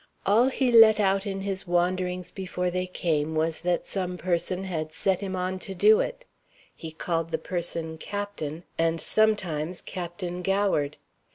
All he let out in his wanderings before they came was that some person had set him on to do it. He called the person 'Captain,' and sometimes 'Captain Goward.'